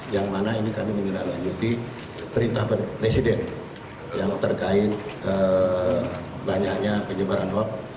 yang mana ini kami mengira lanjuti berita presiden yang terkait banyaknya penyebaran hoax